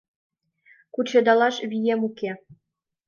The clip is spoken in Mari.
— Кучедалаш вием уке.